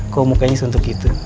kok mukanya sentuh gitu